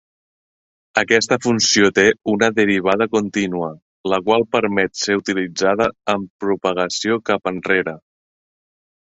Aquesta funció té una derivada contínua, la qual permet ser utilitzada en propagació cap enrere.